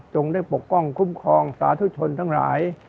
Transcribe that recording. ได้ปกป้องคุ้มครองสาธุชนทั้งหลาย